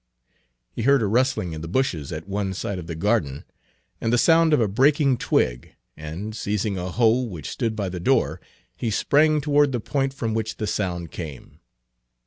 He heard a rustling in the bushes at one side of the garden, and the sound of a breaking twig, and, seizing a hoe which stood by the door, he sprang toward the point from which the sound came.